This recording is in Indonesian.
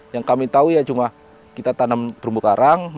yang kami tahu ya cuma kita tanam terumbu karang